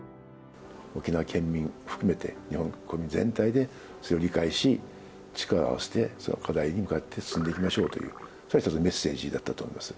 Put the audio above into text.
沖縄県民含めて、日本国民全体で理解し、力を合わせて、その課題に向かって進んでいきましょうという、一つのメッセージだったと思います。